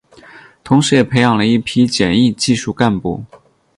同时也培养了一批检疫技术干部。